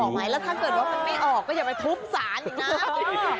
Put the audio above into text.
แล้วถ้าเกิดว่ามันไม่ออกก็อย่าไปทุบสารอีกนะ